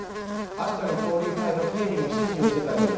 明日の交流会の警備の指示をしてたのよ